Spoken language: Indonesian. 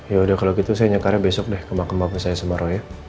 yaudah kalau gitu saya nyekarnya besok deh ke makam bapak saya sama roy ya